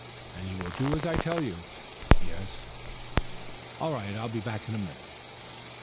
"And you will do as I tell you?" "Yes." "All right. I'll be back in a minute."